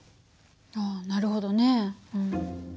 あなるほどね。